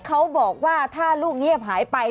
เขาบอกว่าถ้าลูกเงียบหายไป